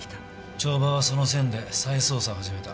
帳場はその線で再捜査を始めた。